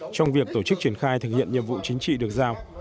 trong việc tổ chức triển khai thực hiện nhiệm vụ chính trị được giao